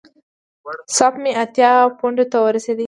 سپ مې اتیا پونډو ته ورسېده.